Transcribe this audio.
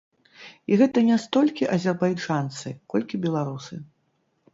І гэта не столькі азербайджанцы, колькі беларусы.